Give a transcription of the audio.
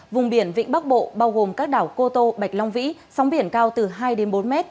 vùng biển vĩnh bắc bộ bao gồm các đảo cô tô bạch long vĩ sóng biển cao từ hai bốn m